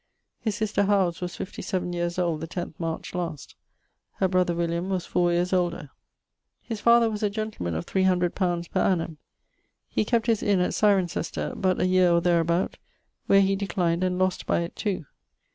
His sister Howes was 57 yeares old the 10 March last: her brother William was 4 yeares older. His father was a gentleman of 300 li. per annum. He kept his inne at Cirencester, but a year or therabout, where he declined and lost by it too.